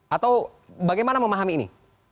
atau bagaimana memahami ini